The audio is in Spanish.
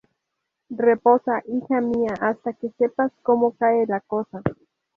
Reposa, hija mía, hasta que sepas como cae la cosa: